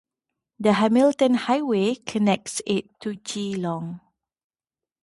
The Hamilton Highway connects it to Geelong.